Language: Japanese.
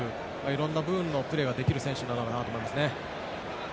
いろんな部分のプレーができる選手なのかなと思いますね。